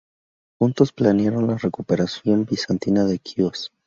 Juntos planearon la recuperación bizantina de Quíos.